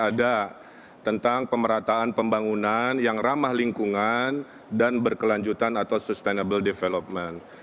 ada tentang pemerataan pembangunan yang ramah lingkungan dan berkelanjutan atau sustainable development